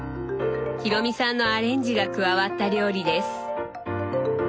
裕美さんのアレンジが加わった料理です。